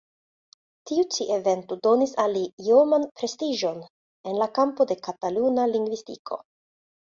Tiu ĉi evento donis al li ioman prestiĝon en la kampo de Kataluna lingvistiko.